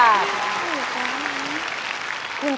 ขอบคุณค่ะ